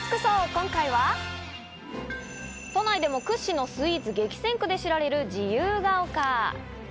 今回は都内でも屈指のスイーツ激戦区で知られる自由が丘。